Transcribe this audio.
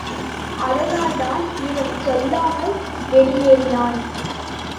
அதனால்தான் இவன் சொல்லாமல் வெளியேறினான்.